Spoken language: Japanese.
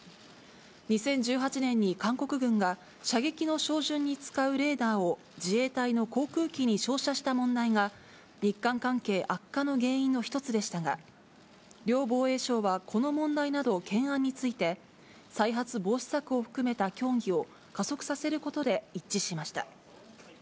２０１８年に韓国軍が射撃の照準に使うレーダーを、自衛隊の航空機に照射した問題が、日韓関係悪化の原因の１つでしたが、両防衛相はこの問題など、懸案について、再発防止策を含めた協議を加速させることで一致しました。